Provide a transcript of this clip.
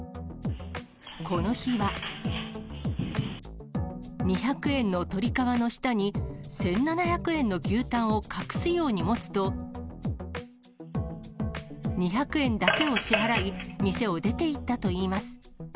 この日は、２００円のトリカワの下に、１７００円の牛タンを隠すように持つと、２００円だけを支払い、店を出ていったといいます。